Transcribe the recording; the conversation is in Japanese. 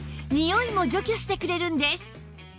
ニオイも除去してくれるんです